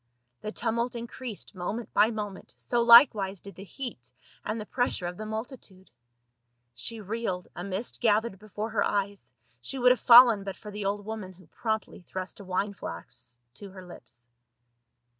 The tumult increased moment by moment, so likewise did the heat and the pressure of the multi tude. She reeled, a mist gathered before her eyes, she would have fallen but for the old woman who promply thrust a wine flask to her lips.